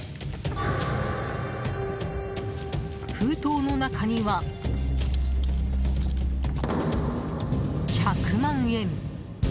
封筒の中には、１００万円！